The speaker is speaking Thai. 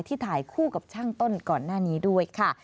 ถ่ายคู่กับช่างต้นก่อนหน้านี้ด้วยค่ะ